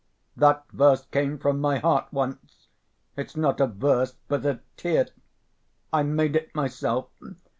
"That verse came from my heart once, it's not a verse, but a tear.... I made it myself